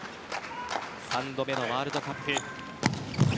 ３度目のワールドカップ。